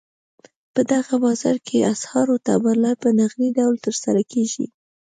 په دغه بازار کې اسعارو تبادله په نغدي ډول ترسره کېږي.